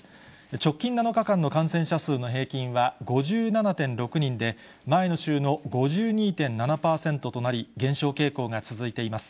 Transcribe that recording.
直近７日間の感染者数の平均は５７．６人で、前の週の５２．７％となり、減少傾向が続いています。